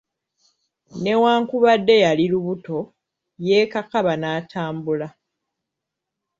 Newankubadde yali lubuto, yeekakaba n'atambula.